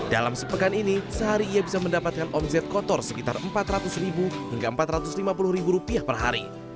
dalam sepekan ini sehari ia bisa mendapatkan omset kotor sekitar empat ratus ribu hingga empat ratus lima puluh per hari